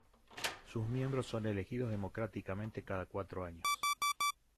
Sus miembros son elegidos democráticamente cada cuatro años.